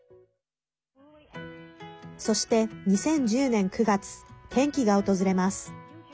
そして、２０１０年９月転機が訪れます。